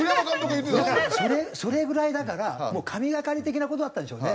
それぐらいだからもう神懸かり的な事だったんでしょうね。